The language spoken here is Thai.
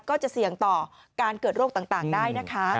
ก็จะเสี่ยงต่อการเกิดโรคต่างได้นะคะ